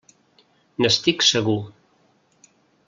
N'estic segur.